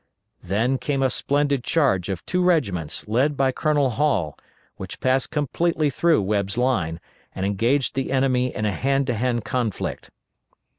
Then came a splendid charge of two regiments, led by Colonel Hall, which passed completely through Webb's line, and engaged the enemy in a hand to hand conflict.